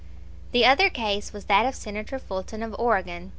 The other case was that of Senator Fulton, of Oregon.